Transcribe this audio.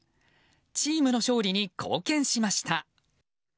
チームの勝利に貢献しました。